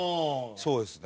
そうですね。